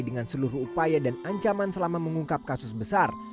dengan seluruh upaya dan ancaman selama mengungkap kasus besar